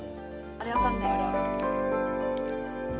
あれあかんね。